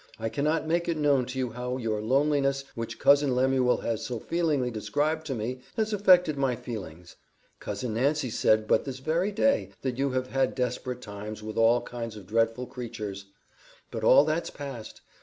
I cannot make it known to you how your loneliness, which Cousin Lemuel has so feelingly described to me, has affected my feelings. Cousin Nancy said but this very day that you have had desperate times with all kinds of dreadful creatures. But all that's past.